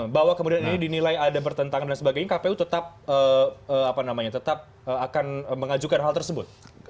bahwa kemudian ini dinilai ada pertentangan dan sebagainya kpu tetap apa namanya tetap akan mengajukan hal tersebut